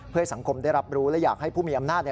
เพื่อให้สังคมได้รับรู้และอยากให้ผู้มีอำนาจ